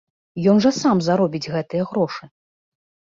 Ён жа сам заробіць гэтыя грошы!